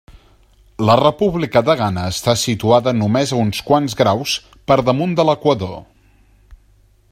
La República de Ghana està situada només a uns quants graus per damunt de l'equador.